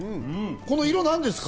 この色、なんですか？